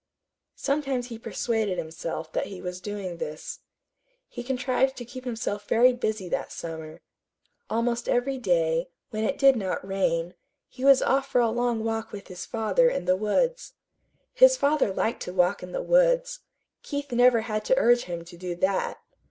Sometimes he persuaded himself that he was doing this. He contrived to keep himself very busy that summer. Almost every day, when it did not rain, he was off for a long walk with his father in the woods. His father liked to walk in the woods. Keith never had to urge him to do that.